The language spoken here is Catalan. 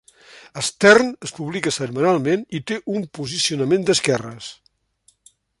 "Stern" es publica setmanalment i té un posicionament d'esquerres.